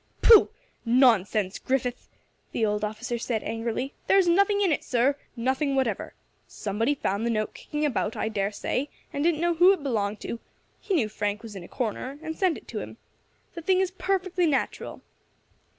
"Pooh! nonsense, Griffith," the old officer said angrily; "there's nothing in it, sir nothing whatever. Somebody found the note kicking about, I dare say, and didn't know who it belonged to; he knew Frank was in a corner, and sent it to him. The thing is perfectly natural."